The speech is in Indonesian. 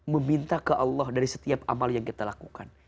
meminta ke allah dari setiap amal yang kita lakukan